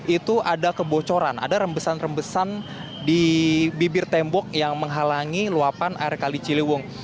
itu ada kebocoran ada rembesan rembesan di bibir tembok yang menghalangi luapan air kali ciliwung